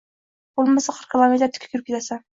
Boʻlmasa qirq kilometr tik turib ketasan.